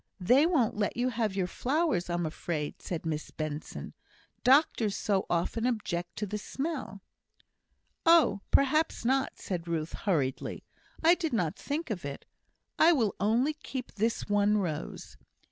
"They won't let you have your flowers, I'm afraid," said Miss Benson. "Doctors so often object to the smell." "No; perhaps not," said Ruth, hurriedly. "I did not think of it. I will only keep this one rose.